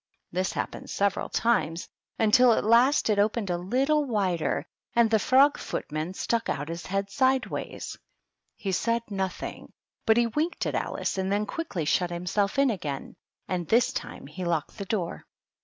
This happened several times, until at Jast it opened a little wider and the frog footman stuck out his head sideways. He said nothing, but he winked at Alice, and then quickly shut himself in again, and this time he locked the door.